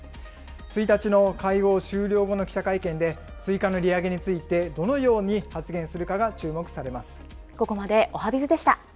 １日の会合終了後の記者会見で、追加の利上げについてどのように発言するかが注目されます。